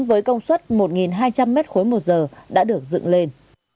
với công suất một hai trăm linh mét khối một giờ đã được dựng lên